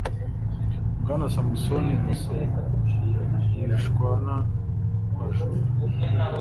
Bwana SAMUSONI Innocent wishwena bajura